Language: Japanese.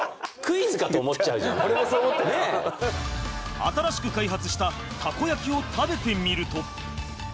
新しく開発したたこ焼きを食べてみると。